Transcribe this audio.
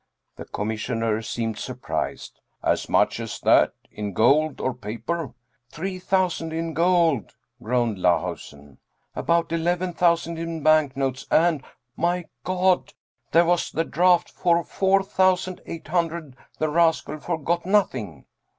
The Commissioner seemed surprised. " As much as that ? In gold or paper? "" Three thousand in gold," groaned Lahusen. " About eleven thousand in banknotes and, my God! there was the draft for four thousand eight hundred the rascal for got nothing."